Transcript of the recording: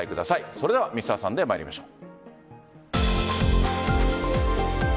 それでは「Ｍｒ．サンデー」参りましょう。